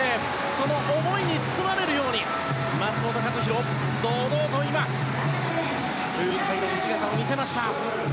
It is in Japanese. その思いに包まれるように松元克央、堂々と今プールサイドに姿を見せました。